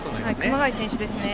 熊谷選手ですね。